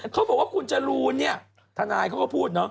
เขาบอกว่าคุณจรูนธนายเขาก็พูด